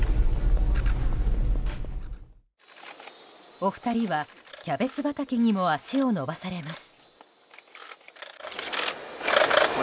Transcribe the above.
お二人はキャベツ畑にも足を延ばされます。